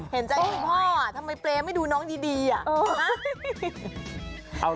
เห็นใจคุณพ่อทำไมเปรย์ไม่ดูน้องดีอ่ะ